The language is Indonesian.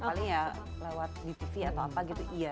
paling ya lewat di tv atau apa gitu iya